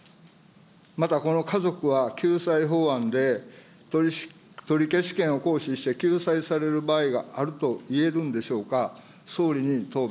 またこの家族は、救済法案で取消権を行使して救済される場合があるといえるんでしょうか。